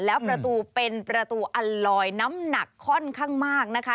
แล้วประตูเป็นประตูอัลลอยน้ำหนักค่อนข้างมากนะคะ